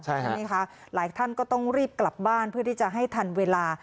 ใช่ไหมคะหลายท่านก็ต้องรีบกลับบ้านเพื่อที่จะให้ทันเวลา